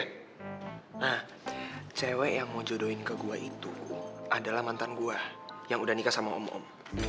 nah cewek yang mau jodohin ke gue itu adalah mantan gue yang udah nikah sama om om